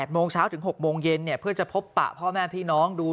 โมงเช้าถึง๖โมงเย็นเพื่อจะพบปะพ่อแม่พี่น้องดู